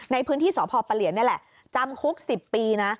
ในพื้นที่สพเนี่ยแหละจำคุก๑๐ปีนะ